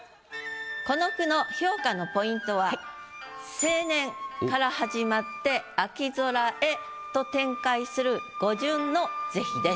この句の評価のポイントは「青年」から始まって「秋空へ」と展開する語順の是非です。